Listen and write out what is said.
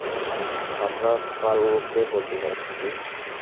আমরা ফারাওকে বলতে যাচ্ছি।